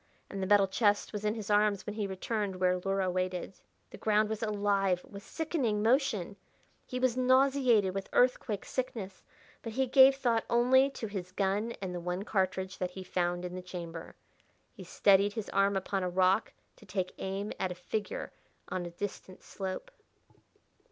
And the metal chest was in his arms when he returned where Luhra waited. The ground was alive with sickening motion, he was nauseated with earthquake sickness, but he gave thought only to his gun and the one cartridge that he found in the chamber. He steadied his arm upon a rock to take aim at a figure on a distant slope.